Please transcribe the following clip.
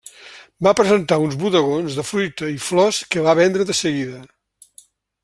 Va presentar uns bodegons de fruita i flors que va vendre de seguida.